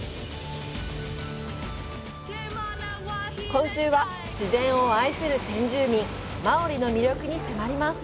今週は、自然を愛する先住民マオリの魅力に迫ります！